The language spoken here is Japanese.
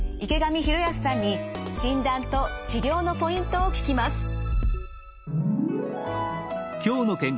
池上博泰さんに診断と治療のポイントを聞きます。